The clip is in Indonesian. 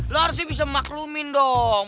lo harusnya bisa memaklumin dong